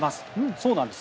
そうなんです